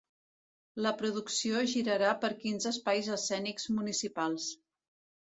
La Producció girarà per quinze espais escènics municipals.